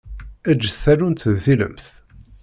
Eǧǧ tallunt d tilemt.